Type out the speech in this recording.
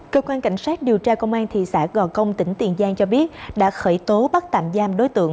cơ quan cảnh sát điều tra công an thị xã gò công tỉnh tiền giang cho biết đã khởi tố bắt tạm giam đối tượng